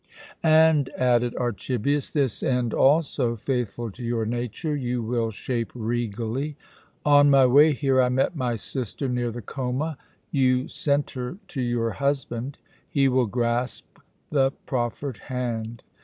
"And," added Archibius, "this end also (faithful to your nature) you will shape regally. On my way here I met my sister near the Choma. You sent her to your husband. He will grasp the proffered hand.